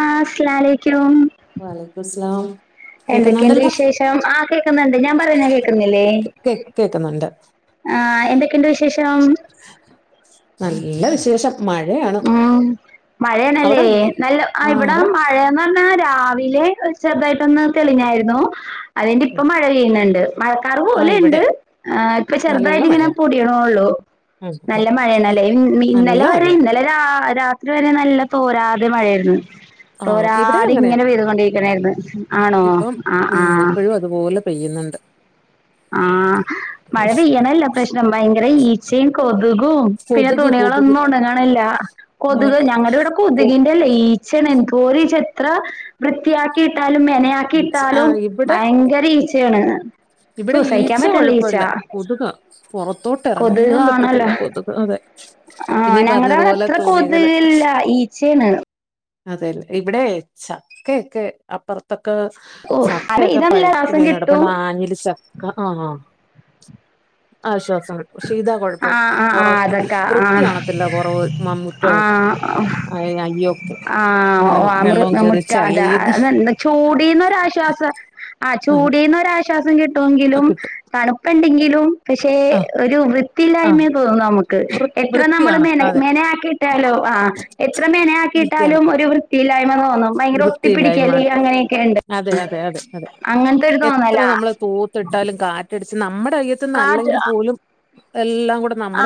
ആ അസ്ലാലെ വലെക്കും സ്ലാം. എന്തൊക്കെണ്ട് വിശേഷം ആ കേക്കുന്നുണ്ട് ഞാൻ പറയുന്നെ കേക്കുന്നില്ലേ? കേ കേക്കുന്നുണ്ട് ആ എന്തൊക്കെണ്ട് വിശേഷം? നല്ല വിശേഷം. മഴയാണ് ഉം അവിടെ മഴയാണല്ലേ നല്ല ആ ഇവിടെ മഴന്ന് പറ ഞ രാവിലെ ഒരു ചെറു്തായിട്ടൊന്ന് തെളിഞ്ഞായിരുന്നു അതിന്റെ ഉം. ഇപ്പം മഴ പെയ്യ്ണ്ണ്ട്. മഴക്കാറ് ആ ഇവിടെ പോലെണ്ട് അ ഇപ്പൊ നല്ല ചെറുതായിട്ട് ഇങ്ങനെ മഴയാ പൊടിണോള്ളു. ഉം, ഉം. നല്ല മഴയാണല്ലേ നല്ല ഇന്നലെ വരെ മഴയാ ഇന്നലെ രാ രാത്രി വരെ നല്ല തോരാതെ മഴയായിരുന്നു ആ ഇവിടെ തോരാതെ അങ്ങനെയാ ഇങ്ങനെ പെയ്ത് കൊണ്ടേ [unintelligible] ആണോ ഇപ്പം ആ ആ ഉം ഇപ്പോഴും അതുപോലെ പെയ്യുന്നുണ്ട് ആ മഴ പെയ്യണംല്ല പ്രശ്ന ഭയങ്കര ഈച്ചേം കോ തുകും പിന്നെ കൊതുക് കൊതുക് തുണികളൊന്നും ഉണങ്ങിണില്ല ഇങ്ങനെ കൊതുക് ഞങ്ങളുടെ ഇവിടെ കൊ- കൊതുകിന്റെല്ലേ ഈച്ചേണ് എ ഒരിചെത്ര വൃത്തിയാക്കിയിട്ടാലും ഈച്ച ആ മെനയാക്കിയിട്ടാലും ഇവിടെ ഭയങ്കര ഈച്ച ചെയ്യാണ് ഇവിടെ സൂസയിക്കാൻ ഈച്ച പറ്റണില്ല കൊഴപ്പല്ല കൊതുക പൊറത്തോട്ട് ഇറങ്ങാൻ പറ്റത്തില്ല കൊതുക് അതെ ആ പിന്നെ ഈ ഞങ്ങളുടെ അവിടെ പറഞ്ഞതുപോലെ അത്ര തുണികള് കൊതില്ല ഈച്ചേണ് അതെല്ലേ ഇവിടെ ചക്കയൊക്കെ അപ്പുറത്തൊ ങ് ഓഹ് മഴ ചക്കയൊക്കെ പെയ്താ നല്ല പഴുത്ത് ശ്വാസം കിട്ടും വീണടപ്പ്ണ്ട് [unintelligible] ചക്ക ആ ആ ആശോശ ക്ഷെതകുഴപ്പം ആഹ് ആഹ് ആഹ് പൊറത്ത് അതൊക്കെ വൃത്തി ആഹ് കാണത്തില്ല പൊറവ് മ മുറ്റവും ആഹ് അ [unintelligible] ആ അമൃ മുറ്റാ തെ ചളിയും അതെ ചൂടീന്നൊരാശ്വാസ ആ അങ്ങനെ ചൂടിന്നൊരശ്വാസം കിട്ടുമെങ്കിലും കിട്ടും തണുപ്പ്ണ്ടെങ്കിലും പക്ഷെ ആഹ് ഒരു ആഹ് വൃത്തിയില്ലായ്മയ തോന്നുന്നു നമുക്ക് വൃ എത്ര വൃത്തി നമ്മൾ കാണ മെന അതെ മെനയാക്കിയിട്ടാലോ ആ എത്ര മേന വൃത്തി ആക്കിയിട്ടാലും കാണത്തില്ല ഒരു വൃത്തിയി വൃത്തിയില്ലായ്മ അങ്ങനെയൊക്കെയുണ്ട് അതെ അതെ അതെ അതെ അങ്ങനത്തെ ഒരു എത്ര തോന്നലാ നമ്മള് തൂത്തിട്ടാലും കാറ്റടിച്ച് നമ്മടെ കാറ്റ് അയ്യത്ത്ന്നല്ലെങ്കിൽ പോലും എല്ല ആ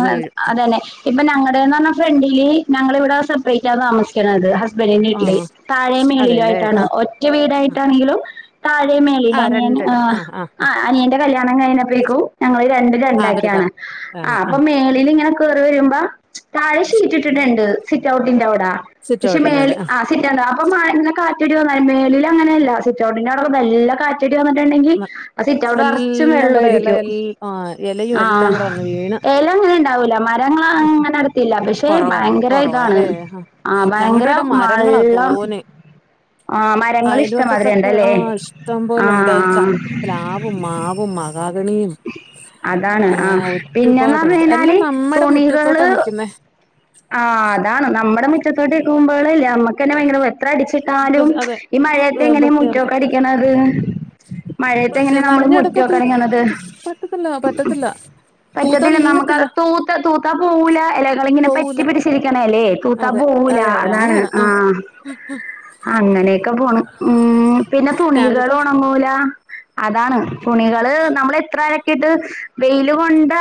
അ അതന്നെ ഇപ്പ ഞങ്ങടെന്നർഞ്ഞ ഫ്രണ്ടിലി ഞങ്ങളി സേപ്പറേറ്റ താമസിക്കുന്നത് ഹസ് ബന്റിന്റെ വീട്ടില് ആഹ് താഴെയും മേലേ അതെല്ലേ ആയിട്ടാണ് ആഹ് ഒറ്റ ആ ആ വീടായിട്ടാണെങ്കിലും താഴെ മേലെല് ആ ആ അനിയന്റെ കല്യാണം കഴിഞ്ഞപ്പേക്കും ഞങ്ങള് രണ്ടും ആ അവരിതാ രണ്ടാക്കിയാണ് ആ അപ്പൊ മേളിലിങ്ങനെ കയറി വരുമ്പോ താഴെ ഷീറ്റ് ഇട്ടിട്ടുണ്ട് സിറ്റട്ടിന്റെ അവിടെ അ സിറ്റ് പക്ഷെ മേ ഔട്ടിൻ്റെ അവിടെ ആ സിറ്റ അപ്പെ കാറ്റടി മേലില് അങ്ങനെയല്ല സിറ്റോടിന്റെ അടെ നല്ല കാറ്റ് ട്ടുണ്ടെങ്കിൽ മ- ആ സിറ്റൗട്ട് അവിടെ നറച്ചും എല്ലാം കൂടെ ഇല വെള്ളയിരിക്കും എല്ല ആ ഇലയും ആ എല്ലാം കൂടെ വന്ന് വീണ് ഇല അങ്ങനെ ഇണ്ടാവൂല മരങ്ങ അങ്ങനെ നടത്തില്ല പക്ഷെ കുറവാ ഭയങ്കര കുറവാ ഇതാണ് അല്ലേ ആ ഞങ്ങളുടെ ഭയങ്കര ഇവിടെ മരങ്ങളാ വെള്ളം തോനെ ആ മരങ്ങ ഇഷ്ട്ടം മാതിരി അയൽവക്കത്തൊക്കെ ആ ഉണ്ടല്ലേ ഇഷ്ടം പോലെ ഉണ്ട് ആഹ ച പ്ലാവും മാവും മഹാഗണിയും അതാണ് ആഹ് അങ്ങനെഒ പിന്നെന്ന് പറഞ്ഞു ഒരുപാടുണ്ട് എല്ലാം കഴിഞ്ഞാല് നമ്മടെ മുറ്റത്തോട്ടാ തുണികള് നിൽക്കുന്നേ ത്തോട്ടുമ്പോൾല്ല അമ്മക്ക്ക്കന്നെ ഭയങ്കര എത്ര അടിച്ചിട്ടാലും ബസ്- അതെ ഈ ഏ, മഴയത്തെ ങ്ങനെ വൃത്തി മുറ്റോക്കെ അടിക്കണ ത് മഴയത്തെ വൃത്തി എങ്ങനെ നമ്മൾ നനഞ്ഞ ഇടക്ക് തൂ മുറ്റോക്കടിക്കണത് പറ്റത്തില്ല പറ്റത്തില്ല തൂത്താ പറ്റത്തില്ല നമുക്ക്ത് നീങ്ങത്തില്ല തൂത്ത തൂത്താ പോൂല ഇലകളിങ്ങനെ പറ്റി പോവൂല പറ്റിപിടി ച്ചിരിക്കണ അല്ലേ തൂത്താ അതെ പോവൂ ല അതെ അതെ അതാണ് അങ്ങനെയാണ് ആ ആഹ അങ്ങനെയൊക്കെ പോണ് ഉ പിന്നെ തുണികൾ രാവിലത്തെ ഉണങ്ങൂല അതാണ് തുണികള് നമ്മള് എത്ര ആലക്കിട്ട് ഇ് വെയില് ഇത് കൊണ്ട്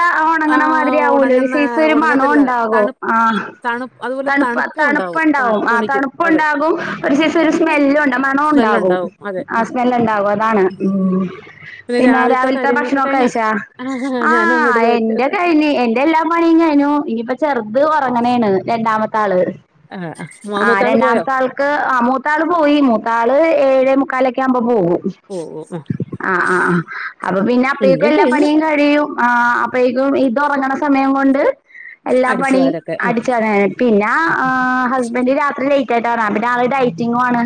ആ ഉണങ്ങണ മാതിരി ആവൂല ഒരു ഉണങ്ങുന്ന സൈസ് ഒരു മണ ഉണങ്ങത്തില്ല ഉണ്ടാകു തണു ആഹ തണു അതുപോലെ തണുപ്പ് തണുപ്പും ഉണ്ടാവും തണു തണുപ്പുണ്ടാവും ആ തുണിക്ക് അതെ തണുപ്പുണ്ടാകും ഒരു സൈസ് ഒരു സ്മെല്ലും മണ ഉണ്ടാകും സ്മെല്ലുണ്ടാവും അതെ ആ സ്മെല് ഉണ്ടാ കും അതാണ് പിന്നെ രാവിലത്തെ ഭക്ഷണം കഴിഞ്ഞ ആ ഞാനും അങ്ങോട്ട് ആഹ് എന്റെ ചോദിച്ചത് കഴിഞ് എന്റെ എല്ലാം പണിയും കഴഞ്ഞു ഇനിയിപ്പ ചെറു അത് ഉറങ്ങണെണ് രണ്ടാമത്തെ ആള് ആ മൂ- ആ മൂത്താള് പോയോ രണ്ടാമത്തെ ആൾക്ക് ആ മൂത്താള് പോയി മൂത്താള് ഏഴ് മുക്കാലൊക്കെ ആകുമ്പോ പോകും ഓ ഓ ആ ആ ആ ആ അപ്പൊ പിന്നെ അപ്പഴേ ക്കും എന്റെയും എല്ലാ കഴിഞ്ഞു പണിയും കഴിയും ആ അപ്പൊഴേക്കും ഇത് ഒറ ങ്ങണ സമയം കൊണ്ട് അടി [unintelligible] ണി അടിച്ചു വരാനായി പിന്നാ ഹസ്ബൻറ് രാത്രി [unintelligible] വൈകിട്ടാവും പിന്നെ ആള് ഡൈറ്റിങ്ങു ആണ്.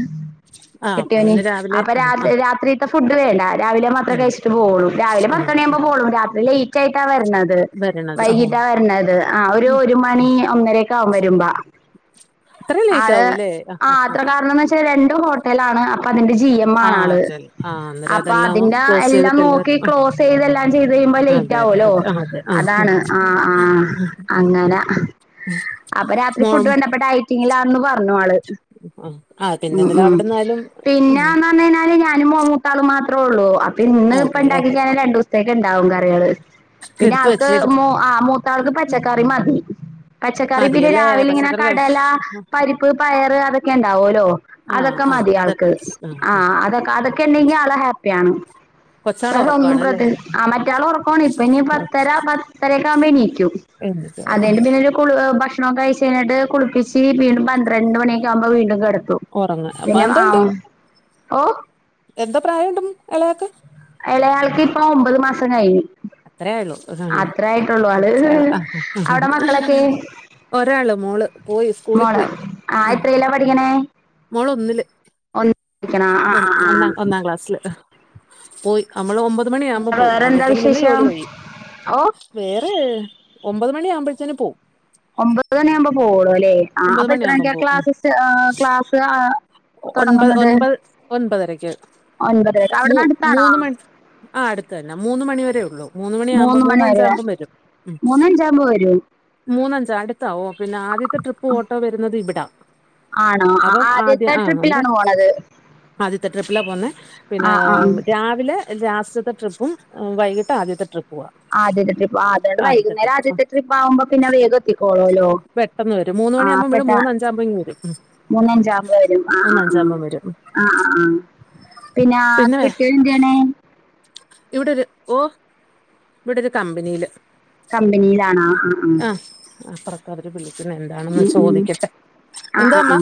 ആ കെ അപ്പൊ ട്ടിയോനി പിന്നെ രാവിലെ അപ്പൊ ആ രാ ആ രാത്രി ല ത്തെ ഫുഡ് വേണ്ട രാവിലെ മാത്രമേ വരും. കഴിച്ചിട്ട് പോകുള്ളൂ രാവിലെ ആ പത്ത് ആ. മണിയാകുമ്പോ പോവും രാത്രി ലേറ്റ് ആയിട്ടാ വരുന്നത് വരണത് ആ വൈകിട്ടാ വരുന്നത്. ഒരു ആ. ഒരു മണി ഒന്നരെ ക്ക ആകും വരുമ്പോ. അത്ര ലേറ്റ് ആള് ആവൂല്ലേ ആ അത്ര കാരണംന്ന് വെച്ചാ രണ്ടു ഹോട്ടലണ് അ ന്റെ ജിം എം ആ ആ ആണ് ആള് ചെൽ ആ അന്നേരം അതെല്ലാം അതിന്റെ ക്ലോസ് എല്ലാം ചെയ്തിട്ടല്ലേ വരൂ നോക്കി ആ ക്ളോസ് ചെയ്യ്ത് എല്ലാം ചെയ്ത്കഴിയുമ്പം - ലേറ്റ് അതെ അതെ ആവല്ലോ അതെ ആ അതെ ആ അതാണ് ആ ആആ അങ്ങനാ അപ്പൊ രാത്രി മോ ഫുഡ് വേണ്ട ഇപ്പോ ഡൈറ്റിങ്ങിലാന്ന് പറഞ്ഞു ആള്. ആ ഉ പിന്നെന്തല ഉം അവിടന്നാലും ഉം പിന്നെന്ന് പറഞ്ഞ കഴിഞ്ഞാല് ഞാനും മൂത്താളുംമാത്രേ ഉള്ളൂ. പിന്നെ ഇപ്പ അതെല്ലേ ഇണ്ടാക്കഴിഞ്ഞാൽ രണ്ടു സത്തേക്ക്ഉ ണ്ടാവും കറികള്. പിന്നെ എടുത്ത ആൾക്ക് വെച്ച മൂ ആ മൂത്ത ആൾക്ക് പച്ചക്കറി മതി. പച്ചക്കറി പിന്നെ മതിയല്ലേ രാവിലെ ഇങ്ങനെ പച്ചക്കറി കടല കഴിച്ച പരിപ്പ് പയറ് അതൊക്കെ ഉണ്ടാവുല്ലോ ആ അതൊക്കെ ആ മതി അതൊക്കെ തിയാൾക്ക് വെച്ച് ആ ഉം. അതൊക്കെ ഇണ്ടേൽ ആള് ഹാപ്പിയാ [unintelligible] കൊച്ചാൾ വേറൊന്നു ഉറക്കണല്ലേ പ്രതി ആ മറ്റാള് ഉറക്കാണ് ഇനീപ്പ പത്തര പത്തരൊക്കെ ആവുമ്പോ എ ണീ ക്കും. അതിന്റെ പിന്നെ ഒരു കുളി ഭക്ഷണാ കെ കഴിച്ച് കഴിഞ്ഞിട്ട് കുളിപ്പിച്ച് വീണ്ടും പന്ത്രണ്ട് മണിയൊക്കെ ആകുമ്പോ വീണ്ടും കിടക്കും. ഉറങ്ങ ഉം, പിന്നെ ആ ഓ എന്തോ പ്രായണ്ട് ഇളയാക്ക്.? ഇളയാൾക്ക് ഇപ്പ ഒമ്പത് മാസം കഴിഞ്ഞ് അത്രേ ആയൊള്ളു ആ ഹാ ആള് ആ അവിടെ മക്കളൊക്കെ ഒരാള് മോള് പോയി സ്കൂളിൽ മോള് പോയി ആ എത്രയിലാ പഠിക്കണേ മോള് ഒന്നില്. ഒന്ന് പഠിക്കണ ആ ഒ ആ ആ ഒന്ന ഒന്നാം ക്ലാസ്സി ല്. പോയി നമ്മള് ഒമ്പത് മണിയ ആ മുമ്പോ പോവും അ വേറെന്താ ന്നിട്ട്. പിന്നെ വിശേഷം ജോലി കഴിയും ഓ വേറെ ഒമ്പത് മണിആകുമ്പോഴത്തേന് പോവും. ഒമ്പത് മണിയ ആവുമ്പോ പോ വൊളൂല്ലേ ആ ഒമ്പത് അപ്പൊ എത്ര മണിയാകുമ്പം മണിക്ക പോവും ഉം ക്ലാസ്സ് ക്ലാസ്--സ്റ്റാ ഒൻപത് ഒൻപത് ഒൻപതരക്ക്. ഒൻപതരക്ക് ആ അവിടുന്ന് അടുത്താണോ മൂന്ന് മണിക്ക് ആ അടുത്ത ന്നാ. [unintelligible] മൂന്ന് മണിയാവുമ്പാ മണി മൂന്ന വരെ ഞ്ചാവുമ്പൊ വരും. മൂന്നഞ്ചാകുമ്പോ വരോ മൂന്നഞ്ച അടുത്തുമോ പിന്നെ ആദ്യത്തെ ട്രിപ്പ് ഓട്ടോ വരുന്നത് ഇവിടാ. അപ്പം ആദ്യ ആണോആദ്യത്തെ ആ അന്നേരം ട്രിപ്പിലാണോ പോണത്? ആദ്യത്തെ ട്രിപ്പില പോന്നെ പിന്നെ ആ ആ ആ. രാവിലെ ലാസ്റ്റത്തെ ട്രിപ്പും വൈകിട്ട് ആദ്യത്തെ ട്രിപ്പും. ആദ്യത്തെ ട്രിപ്പ് അതുകോണ്ട് വൈകുന്നേരം ആദ്യത്തെ ട്രിപ്പ് ആകുമ്പോ പിന്നെ വേഗം എത്തിക്കോളല്ലോ? പെട്ടെന്ന് മൂന്ന് മണിയാവുമ്പം വിടും മൂന്ന ഞ്ചാുമ്പോ ഇങ്ങ് വരും. മൂന്നഞ്ച ആുമ്പ് വരും ആ ആ് ആ് മൂന്നഞ്ചാകുമ്പം വരും ആ് ആ ആ പിന്നെ കെട്ടിയോൻ എന്ത ചെയ്യ് െണ? ഇവിടൊരു ഓ ഇവിടെരു കമ്പനിയില്. കമ്പനിയിലാണോ ആ ആ ആഹ് [unintelligible] വിളിക്കുന്ന എന്താണെന്ന് ഉം ഉം. ചോദിക്കട്ടെ ആ ആ എന്താമ്മ? ആ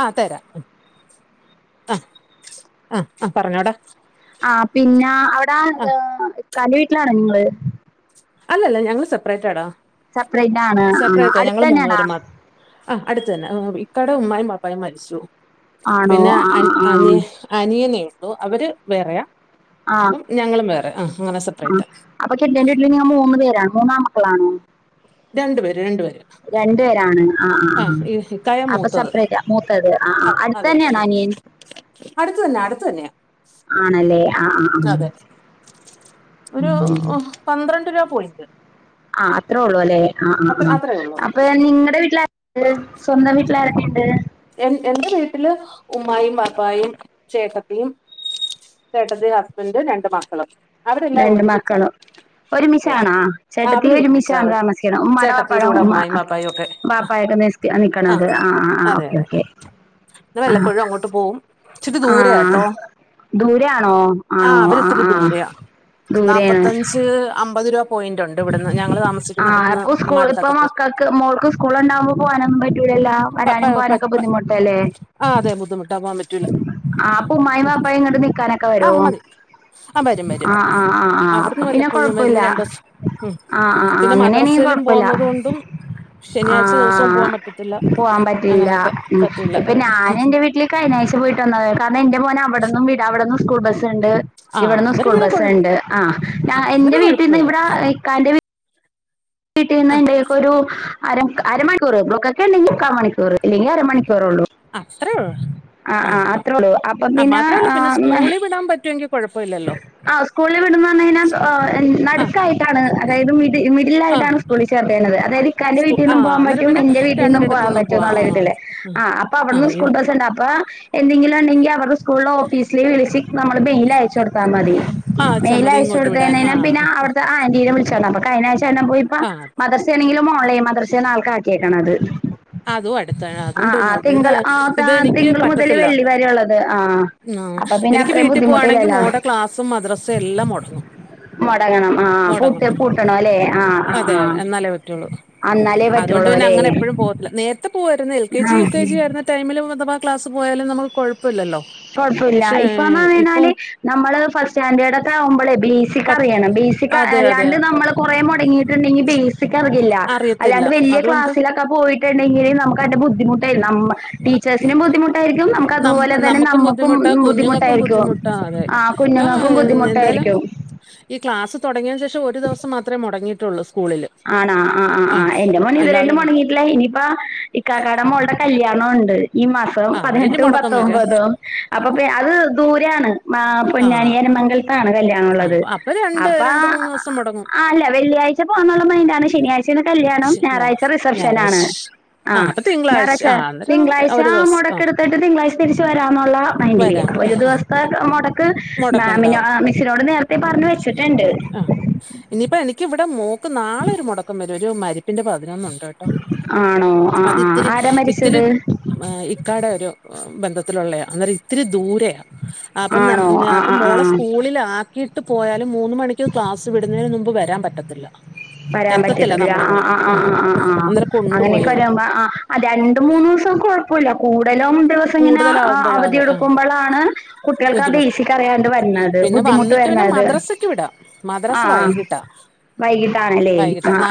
ആ തരാം. ആഹ ആഹ ആ പറഞ്ഞോടാ. ആ പിന്നെ അവിടെ ആഹ് ഇക്കാന്റെ വീട്ടിലാണോ നിങ്ങള്? അല്ലല്ല ഞങ്ങള് സെപ്പറേറ്റാ ടാ. സെപ്പറേറ്റ് ആണ് സ ആണോ പ്രേറ്റ അടുത്ത് ഞങ്ങള്ൾ മൂന്നു തന്നെയാണോ പേര് മാത്രം ആ അടുത്ത്തന്നെ. അടെ ഉമ്മായും ബാപ്പായും മരിച്ചു ആണോ പിന്നെ ആ ആ അനിയ ആ അനിയനെ. അവര് വേറെയാ അപ്പം ഞങ്ങളും വേറെ ആ ആഹ അപ്പൊ കെട്ടിയോന്റെ വീട്ടില് ഇങ്ങൾ മൂന്ന് പേരാണോ മൂന്നാൺ മക്കളാണോ? രണ്ടു പേര് രണ്ടു പേര് ആ ആ ആഹ ആ ഈ കയ അപ്പൊ മൂത്തത് സെപ്പറേറ്റാ മൂത്തത് ആ ആ അ അടുത്ത് അതെ അതെ തന്നെയാണോ ആ അനിയൻ അടുത്ത തന്നെ അടുത്ത തന്നെയ ആണല്ലേ ആ ആ ഒരു പന്ത്രണ്ട് രൂപ പോയിന്റ് ആഹ അത്രേ ഉള്ളൂ അല്ലെ ആ് ആ് അത്ര ആ് അത്രേ ഉള്ളൂ അപ്പൊ നിങ്ങളടെ വീട്ടില സ്വന്തം വീട്ടിലാര ണ്ട് എ എന്റെ വീട്ടില് ഉ്യും ബപ്പായയും ചേക്കത്തിയും ചേട്ടത് ഹസ്ബന്ഡും രണ്ട് മക്കളും അവരെല്ലാം ഒരുമിച്ച ഒരു മിച്ചണ ആ ചേട്ടത്തി ഒരു മിച്ചാണ് അവര് താമസിക്കണം ഉ്മ്മട വാപ്പാട ചേട്ടത്തിയുടെ കൂടെ ഉ അമ്മായും പാപ്പായും ഒക്കെ ആ വാപ്പ നക്കണത് ആ ആ് ഓക്കെ ഓക്കെ ആ ഇെല്ലപ്പോഴും അങ്ങോട്ട് പോകവും ച്ചിരി ദൂര കേട്ടോ ദൂരെ ആണോ ആണോ ആ ആ ദൂരെയാ നാപ്പത്തഞ്ച് അമ്പത് രൂപ പോയിന്റ് ഉണ്ട് ഇവിടുന്ന് ഞങ്ങള് ആഹ താമസിക്കുന്നിടത്തുന്ന് അപ്പൊ സ്കൂൾ ഇപ്പൊ ഉമ്മാടത്തൊക്കെ പോയി മക്കൾക്ക് മോൾക്ക് സ്കൂൾണ്ടാവകുമ്പോ പോാനും പറ്റൂ പ വരാനും പ പോാനൊക്കെ ആ അതെ ബുദ്ധിമുട്ടാ ആ അപ്പൊ ഉമ്മായും വാപ്പായും ഇങ്ങോട്ട് നിക്കാനൊക്കെ ആ വരുവോ മതി ആ വരും വരും ആ ആ ആ ആ അപ്പൊ അവിടുന്ന് പിന്നെ വല്ലപ്പോഴും വന്ന് കൊഴപ്പില്ല രണ്ട ദിവസം ഉം ആ ആ ആ പിന്നെ അങ്ങനെയാണെങ്കി മദ്രാസയിലും കൊഴപ്പില്ല പോന്നത കൊണ്ടും ആ ശനിയാഴ്ച ദിവസവും പോവാൻ പറ്റത്തില്ല അങ്ങനെയൊക്കെ ഉ ഇപ്പൊ ഞാന എന്റെ വീട്ടില് ശനിയാഴ്ച പോയി് വന്നത് കാര എന്റെ പോനെ അവിടന്ന വിട നിന്ന സ്കൂൾ ബസ് ഉണ്ട് ആഹ് ഇവിടന്ന് അന്നേരം സ്കൂൾ പിന്നെ ബസ്സ കൊഴ ഉണ്ട് ആ് ആഹ് എൻന്റെ അന്നേരം വീട്ടിൽന്ന് കൊഴപ്പമില്ല ഇവിടെ ഇക്കൻന്റെ ആഹ് വീട്ടിൽന്ന് ഒരു അര അരമണിക്കൂറ് ബ്ലോക്ക ഒക്കെ ഉണ്ടെങ്കിൽ മുക്കൽ മണിക്കൂർ അല്ലെങ്കിൽ അരമണിക്കൂ അത്ര ആ ആ അത്രേ ഉള്ളൂ അപ്പം അ പിന്നെ മാത്രല്ല പിന്നെ സ്കൂളിൽ വിടാൻ പറ്റുവെങ്കിൽ കൊഴപ്പ ഇില്ലല്ലോ ആ് സ്കൂളിൽ വിടുന്ന വന്ന കഴിഞ്ഞാ ആഹ് നടുക്കായിട്ടാണ് അതായത് മിഡ മിഡിൽായിട്ടാണ് ആഹ് സ്കൂളിൽ ചേർത് അതായത് ഇക്കാന്റെ സ്കൂ വീട്ടിന്നും ആഹ് പോവാൻ അന്നേരം പറ്റും, പിന്നെ എന്റെ വീട്ടിന്നും പോവാൻ രണ്ടിടത്ത്ന്നും പറ്റും, പോവാ ആഹ് എന്നുള്ളരുതില്. ആ ആഹ് അപ്പ അവിടുന്ന് ആഹ് സ്കൂൾ ഇത് ബസ് ഉണ്ട അപ്പൊ എന്തെങ്കിലും ഉണ്ടെങ്കി അവരടെ സ്കൂളില് ഓഫീസില വിളിച്ച് നമ്മള് മെയിൽ അയച്ചു കൊടുക്ക മതി. ആ മെയിൽ ചമ്മതി അയച്ചു ഇങ്ങോട്ട് വിടാൻ കൊടുതഴിഞ്ഞെന ആഹ് പിന്ന ആഹ് അവിടത്ത ആന്റീനെ വിളിച്ചാ മതി. അപ്പ കഴിഞ്ഞ [unintelligible] പോയിപ്പ ആഹ് മദർസേണെങ്കില് ഓൺലൈൻ മദ്രസെണ് അവൾക്ക ആക്കിയേക്കണത്. അതും അടുത്താണ്. അതുകൊണ്ട് പിന്നെ കുഴപ്പം ഇ ആ ഇത് എനിക്ക് തിങ്കൾ മുതൽ പറ്റത്തില്ല. വെള്ളി വരെ ഉള്ളത് ആ ആ അപ്പൊ പിന്നെ എനിക്ക് അത്രയും വീട്ടിൽ പോവാണെങ്കിൽ, ബുദ്ധിമുട്ടില്ലല്ലോ മോടെ ക്ലാസ്സും മദ്രസേം എല്ലാം മുടങ്ങും. മുടങ്ങണം ആ മുടങ്ങും. പൂട്ട് മം പൂട്ടണം അല്ലേ ആ ആ അതെ ആ അതെ എന്നാലേ പറ്റുള്ളൂ. അന്നാലേ അതുകൊണ്ട് പറ്റുള്ളൂ പിന്നെ അല്ലേ അങ്ങനെ എപ്പോഴും പോ ല്ല. നേരത്തെ പോവായിരുന്നു. എൽ കെ ജി, ആ യു കെ ജി ആരുന്ന ടൈമില് അഥവാ ക്ലാസ് പോയാലും നമുക്ക് കുഴപ്പമില്ലല്ലോ. കുഴപൂല്ല. പക്ഷേ ഇപ്പൊന്ന് ഇപ്പം പറഞ്ഞഴിഞ്ഞാല് നമ്മള് ഫസ്റ്റ് സ്റ്റാൻഡേർഡ് ഒക്കെ ആവുമ്പോളേ പ ബേസിക് അറിയണം. ബേസി അതെ അതെ അല്ലാണ്ട് നമ്മള് കുറ മുടങ്ങിയിട്ടുണ്ടെങ്കിൽ ബേസിക് അറിയില്ല. അറിയത്തില്ല. അല്ലാണ്ട് വലിയ അതുകൊണ്ട് ക്ലാസ്സിലൊക്കെ പോയിട്ട് ണ്ടെങ്കിൽ നമുക്കന്റെ ബുദ്ധിമുട്ടായിരിക്കും. ടീച്ചേഴ്സിനും ബുദ്ധിമുട്ടായിരിക്കും നം നമുക്കതുപോലെ അ തന്നെ നമുക്കും നമ്മുക്കും ബുദ്ധിമുട്ടാ കുഞ്ഞുങ്ങൾക്കും ബുദ്ധിമുട്ടായിരിക്കും. ബുദ്ധിമുട്ടാ അതെ. ആ ഇപ്പം കുഞ്ഞുങ്ങൾക്കും ഏഹ്, എന്തായാലും ബുദ്ധിമുട്ടായിരിക്കും. ഈ ക്ലാസ് തുടിയന് ശേഷം ഒരു ദിവസം മാത്രമേ മുടങ്ങിയിട്ടുള്ളൂ. സ്കൂളിൽ. ആണാ ആ ആ ആ ആഹ് എന്റെ മോൻ അല്ലാതെ ഇതുവരായിട്ട് പിന്നെ മുടങ്ങിയിട്ടില്ല. ഇനിയിപ്പ ഇക്കാക്കാട മോളുടെ കല്യാണ ണ ഉണ്ട്. ഈ മാസം ആ അന്നേരം ഇനി പതിനെട്ടും മുടക്കം വരും പത്തൊൻമ്പത്തും. അപ് അപ്പെ അത് ദൂരാണ് ആഹ് പൊന്നാനിയ മംഗല്താണ് ആ കല്യാണുള്ളത്. അപ്പൊ അപ്പൊ രണ്ട് അപ്പ രണ്ട് മൂന്ന് ദിവസം മുടങ്ങും അല്ല വെള്ളിയാഴ്ച പോവാ [unintelligible] ശനാഴ്ചെണ് കല്യാണം ശ- ഞാ ഞായാഴ്ച റിസപ്ഷനാണ്. ഞായറാഴ്ച ആ ആഹ് അപ്പൊ തിങ്കളാഴ്ച ഞായറാഴ്ച്ച ആ അന്നേരം തിങ്കളാഴ്ച ഒരു ദിവസം മുടക്ക ആ എടുത്തിട്ട് തിങ്കളാഴ്ച തിരിച്ചു വരാമന്നുള്ള മൈൻഡില്. വരാം വരാം ഒരു ആ ആ ദിവസ്ഥ മുടക്ക് മുടക്കം മാമിനോ ഉണ്ടാവും മിസ്സ്‌നോ ടെ നേരത്തെ പറഞ്ഞ് വെച്ചിട്ടിണ്ട്. ആ ഇനിയിപ്പോ എനിക്ക് ഇവിടെ മോക്ക് നാളെ ഒരു മുടക്കം വരും ഒരു മരിപ്പിന്റെ [unintelligible] [unintelligible] ണ്ടട്ടോ. ആണോ ആ ആ അതിത്തിരി ആരാ ഇത്തിരി മരിച്ചത് ഏ, ഇക്കാടെ ഒരു ബന്ധത്തിലുള്ളെയാ. അന്നൊരുത്തിരി ദൂരെയ. അപ്പൊ നം ആണോ ഞ ആ ആ ആ മോളെ സ്കൂളിലാക്കി വീട്ട്പ്പോയാലും മൂന്ന് മണിക്ക് ക്ലാസ് വിടുന്നേന് മുമ്പ് വരാൻ പറ്റത്തില്ല. വരാൻ എത്തത്തില്ല പറ്റത്തില്ല. ആ നമ്മളിങ്ങ് ആ ആ ആ അന്നേരം കൊണ്ടുപോയേ അങ്ങനെയൊക്കെ പറ്റൂ വരുമ്പ ആ രണ്ട്മൂന്ന് ദിവസം കൊഴ [unintelligible] [unintelligible] ദിവസങ്ങനെ ആ അവധി കൂടുതലാവുമ്പോഴാണ് ആ എടുക്കുമ്പളാണ് കുട്ടികൾക്കാ ബുദ്ധിമുട്ട് ബേസിക്ക് അറിയാണ്ട് വര്ന്നത്. പിന്നെ വന്നിട്ട് പിന്നെ മദ്രസക്ക് വിടാ. മദ്രസ വൈകീട്ടാ. വൈകീട്ടാണല്ലേ ആഹ്.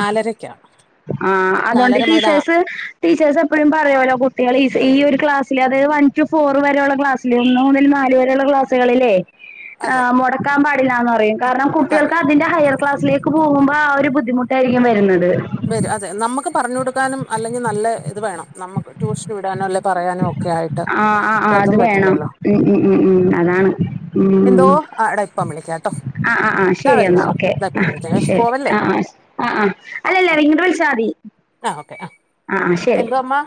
ആ അതുകൊണ്ട് നാലര മുതൽ ആ ടീച്ചേഴ്സ് ടീച്ചേഴ്സ് എപ്പഴും പറയോലോ കുട്ടികളേ ഈ ഈയൊരു ക്ലാസ്സില് അത് വൺ ടു ഫോർ വരെയുള്ള ക്ലാസ്സില്, ഒന്ന് മുതൽ നാല് വരേയുള്ള ക്ലാസ്സുകളിലേ ആ അതെ മുടക്കാൻ പാടില്ലാന്ന് പറയും. കാരണം അതെ കുട്ടികൾക്ക് അതിന്റെ ഹയർ ക്ലാസ്സിലേക്ക് പോകും ആ ഒരു ബുദ്ധിമുട്ടായിരിക്കും വരുന്നത്. [unintelligible] അതെ നമ്മക്ക് പറഞ്ഞു കൊടുക്കാനും അല്ലെങ്കി നല്ല ഇത് വേണം. നമ്മക്ക് ട്യൂഷന് വിടാനോ അല്ലെ പറയാനും ഒക്കെ ആയിട്ട് ആഹ് ആഹ് ആഹ് അത് ഇതതും വേണം പറ്റില്ലല്ലോ. ഉം ഉം ഉം അതാണ്. എന്തോ? ആ എട ഇപ്പം വിളിക്കാട്ടോ. ആ ആ ആ ഇതാ ശരി എന്നാ വരുന്നമ്മ ഓക്കെ. ഇതാ ആ ഇപ്പം വിളിക്കാം ശരി. പോവല്ലേ ആ ആ ആ ആ ആഅല്ലല്ല ഇങ്ങട് വിളിച്ചാ മതി. ആ ഓക്കെ ആ അ അ ശരി. എന്തോ അമ്മ